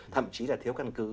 thậm chí là thiếu căn cứ